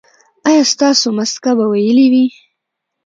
ایا ستاسو مسکه به ویلې وي؟